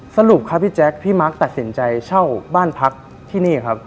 สรุปครับพี่แจ๊คพี่มาร์คตัดสินใจเช่าบ้านพักที่นี่ครับ